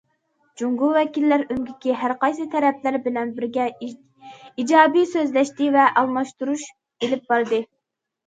جۇڭگو ۋەكىللەر ئۆمىكى ھەر قايسى تەرەپلەر بىلەن بىرگە ئىجابىي سۆزلەشتى ۋە ئالماشتۇرۇش ئېلىپ باردى.